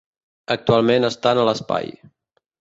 Actualment estan a l'espai.